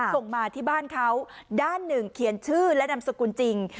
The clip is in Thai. ส่งมาที่บ้านเขาด้านหนึ่งเขียนชื่อและนามสกุลจริง